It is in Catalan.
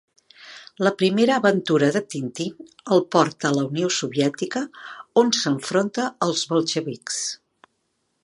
La primera aventura de Tintín el porta a la Unió Soviètica, on s'enfronta als bolxevics.